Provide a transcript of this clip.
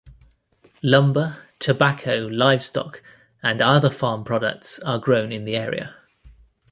Lumber, tobacco, livestock, and other farm products are grown in the area.